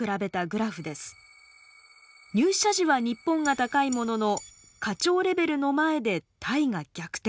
入社時は日本が高いものの課長レベルの前でタイが逆転。